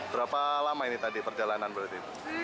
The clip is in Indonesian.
berapa lama ini tadi perjalanan berarti